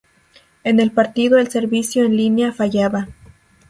En el partido el servicio en linea fallaba.